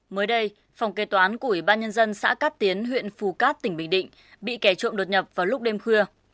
mới đây phòng kế toán của ủy ban nhân dân xã cát tiến huyện phù cát tỉnh bình định bị kẻ trộm đột nhập vào lúc đêm khuya